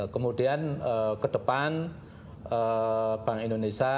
kemudian ke depan bank indonesia